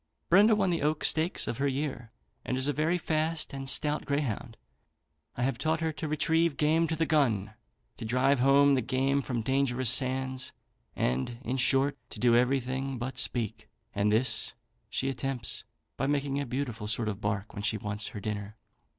Brenda won the Oak stakes of her year, and is a very fast and stout greyhound. I have taught her to retrieve game to the gun, to drive home the game from dangerous sands, and, in short, to do everything but speak; and this she attempts, by making a beautiful sort of bark when she wants her dinner.